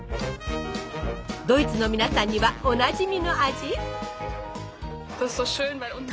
ドイツの皆さんにはおなじみの味？